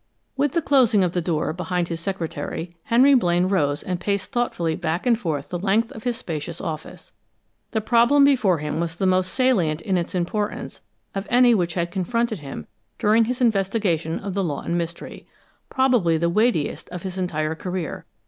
With the closing of the door behind his secretary, Henry Blaine rose and paced thoughtfully back and forth the length of his spacious office. The problem before him was the most salient in its importance of any which had confronted him during his investigation of the Lawton mystery probably the weightiest of his entire career.